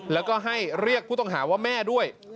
แล้วก็ให้เรียกผู้ต้องหาว่าแม่ด้วย